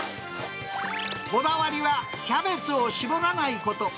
こだわりは、キャベツをしぼらないこと。